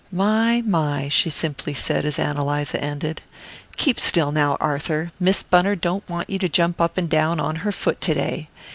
"My, my," she simply said as Ann Eliza ended. "Keep still now, Arthur: Miss Bunner don't want you to jump up and down on her foot to day.